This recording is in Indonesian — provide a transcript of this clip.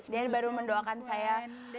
dia baru mendoakan saya